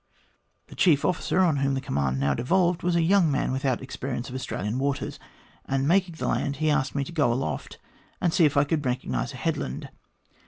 The chief officer, on whom the command now devolved, was a young man without experience of Australian waters ; and mak ing the land he asked me to go aloft, and see if I could recognise a headland.